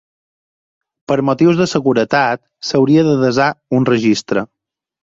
Per motius de seguretat, s'hauria de desar un registre.